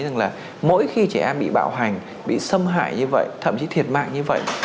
rằng là mỗi khi trẻ em bị bạo hành bị xâm hại như vậy thậm chí thiệt mạng như vậy